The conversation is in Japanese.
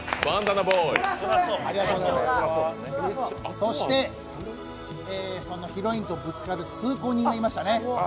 そして、ヒロインとぶつかる通行人がいましたね。